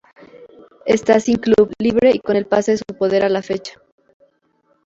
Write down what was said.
Está sin club, libre y con el pase en su poder, a la fecha.